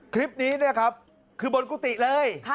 คลิปนี้เนี่ยครับคือบนกุฏิเลย